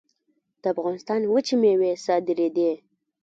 د افغانستان وچې میوې صادرېدې